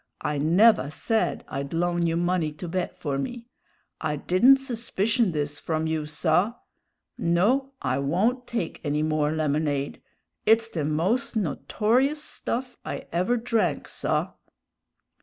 I never said I'd loan you money to bet for me. I didn't suspicion this from you, saw. No, I won't take any more lemonade; it's the most notorious stuff I ever drank, saw!"